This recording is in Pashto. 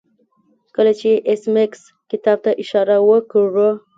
کله چې ایس میکس کتاب ته اشاره وکړه